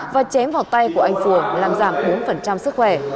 và chém vào tay của anh phùa làm giảm bốn sức khỏe